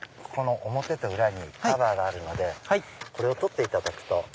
表と裏にカバーがあるのでこれを取っていただくと。